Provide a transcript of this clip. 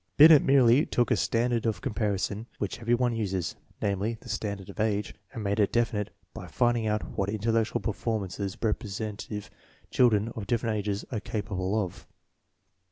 Binet merely took a standard of comparison which every one uses (namely, the standard of age) and made it definite by finding out what intellectual performances representative chil dren of different ages are capable of.